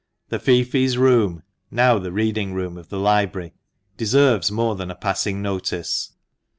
The feoffees' room — now the reading room of the library — deserves more than a passing notice.